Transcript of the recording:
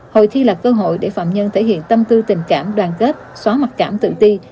hội thi là cơ hội để phạm nhân thể hiện tâm tư tình cảm đoàn kết xóa mặc cảm tự ti